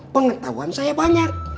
pengetahuan saya banyak